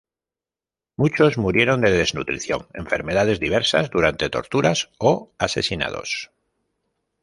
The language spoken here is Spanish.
Muchos murieron de desnutrición, enfermedades diversas, durante torturas o asesinados.